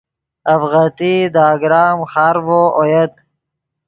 اڤغتئی دے اگرام خارڤو اویت